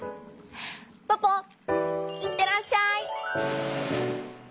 ポポいってらっしゃい！